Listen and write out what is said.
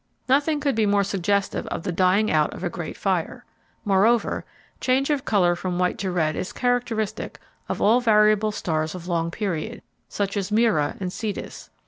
Nothing could be more suggestive of the dying out of a great fire. Moreover, change of color from white to red is characteristic of all variable stars of long period, such as "Mira" in Cetus.